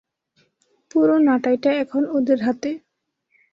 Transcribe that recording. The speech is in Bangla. পুরো নাটাইটা এখন ওদের হাতে!